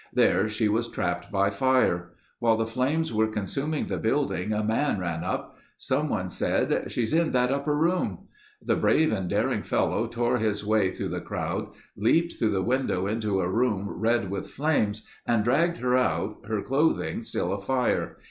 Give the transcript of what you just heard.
There she was trapped by fire. While the flames were consuming the building a man ran up. Someone said, "She's in that upper room." The brave and daring fellow tore his way through the crowd, leaped through the window into a room red with flames and dragged her out, her clothing still afire.